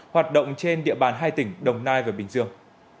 hoạt động trên địa bàn hai tỉnh đồng nai và bình dương